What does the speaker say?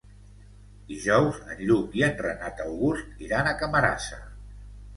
Dijous en Lluc i en Renat August iran a Camarasa.